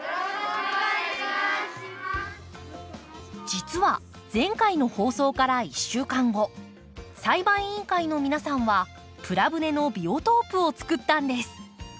実は前回の放送から１週間後栽培委員会の皆さんはプラ舟のビオトープを作ったんです。